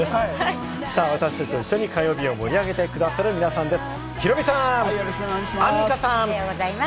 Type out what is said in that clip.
私達と一緒に火曜日を盛り上げて下さる皆さんです。